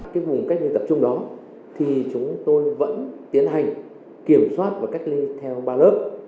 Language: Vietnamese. cái vùng cách ly tập trung đó thì chúng tôi vẫn tiến hành kiểm soát và cách ly theo ba lớp